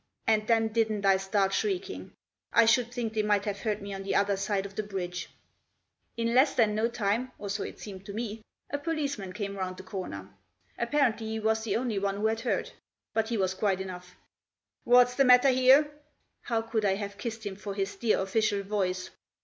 And then didn't I start shrieking ; I should think they might have heard me on the other side of the bridge. In less than no time — or so it seemed to me — a policeman came round the corner. Apparently he was the only one who had heard ; but he was quite enough. "What's the matter here?" How I could have kissed him for his dear official voice.